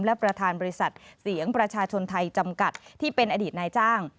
และประธานบริษัทเสียงประชาชนไทยจำกัดที่เป็นอดีตนายจ้าง